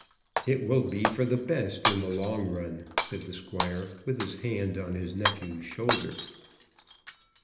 "It will be for the best in the long run," said the Squire, with his hand on his nephew's shoulder.